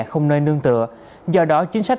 không nơi nương tựa do đó chính sách